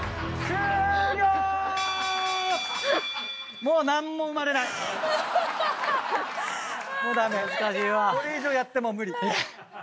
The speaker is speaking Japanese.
これ以上やっても無理。